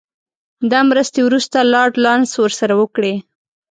دا مرستې وروسته لارډ لارنس ورسره وکړې.